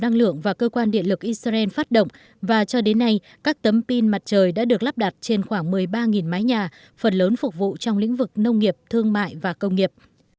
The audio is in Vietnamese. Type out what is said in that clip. năng lượng và cơ quan điện lực israel phát động và cho đến nay các tấm pin mặt trời đã được lắp đặt trên khoảng một mươi ba mái nhà phần lớn phục vụ trong lĩnh vực nông nghiệp thương mại và công nghiệp